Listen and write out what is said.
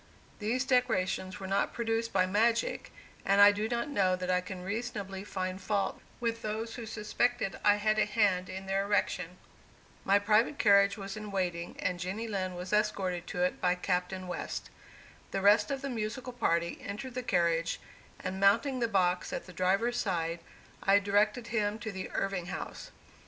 These decorations were not produced by magic, and I do not know that I can reasonably find fault with those who suspected I had a hand in their erection. My private carriage was in waiting, and Jenny Lind was escorted to it by Captain West. The rest of the musical party entered the carriage, and mounting the box at the driver's side, I directed him to the Irving House.